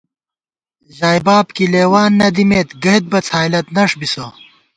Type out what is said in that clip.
ژائےباب کی لېوان نہ دِمېت، گئیت بہ څھائیلَتنݭ بِسہ